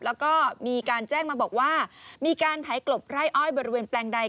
แล้วก็มีการแจ้งมาบอกว่ามีการไถกลบไร่อ้อยบริเวณแปลงใด